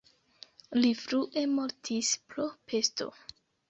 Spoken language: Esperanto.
Li frue mortis pro pesto.